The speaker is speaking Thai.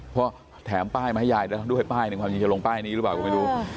เพราะแถมป้ายมาให้เราด้วยป้ายค่ะมีหรือลงป้ายนี้หรือบ้าง